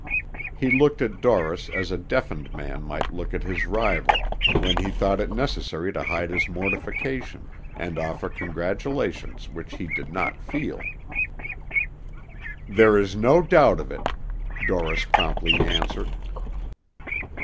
He looked at Dorris as a defeated man might look at his rival when he thought it necessary to hide his mortification, and offer congratulations which he did not feel. "There is no doubt of it," Dorris promptly answered.